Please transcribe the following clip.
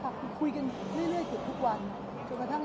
ก็ยังคืออยู่ว่าก็ต้องพยายามทำสิ่งที่เราอยากทำให้เป็นความจริงให้ได้